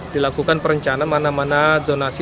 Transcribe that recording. dilakukan perencanaan mana mana zonasi